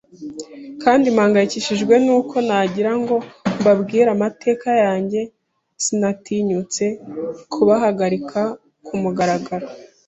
kandi mpangayikishijwe nuko nagira ngo mbabwire amateka yanjye, sinatinyutse kubahagarika kumugaragaro.